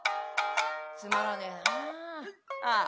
「つまらねえなあああ」。